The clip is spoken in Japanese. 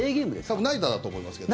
多分ナイターだと思いますけど。